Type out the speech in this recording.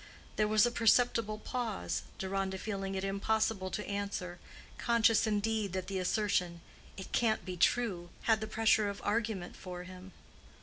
There was a perceptible pause, Deronda feeling it impossible to answer, conscious indeed that the assertion "It can't be true"—had the pressure of argument for him.